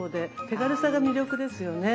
手軽さが魅力ですよね。